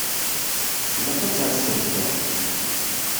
Ilaq ad terseḍ da.